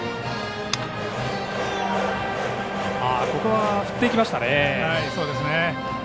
ここは振ってきました。